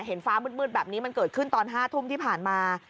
ฟ้ามืดแบบนี้มันเกิดขึ้นตอน๕ทุ่มที่ผ่านมา